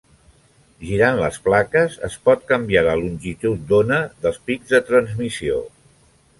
Girant les plaques es pot canviar la longitud d'ona dels pics de transmissió.